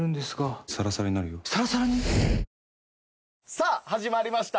さあ始まりました